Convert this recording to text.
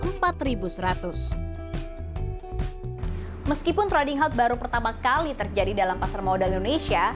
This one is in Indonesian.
meskipun trading health baru pertama kali terjadi dalam pasar modal indonesia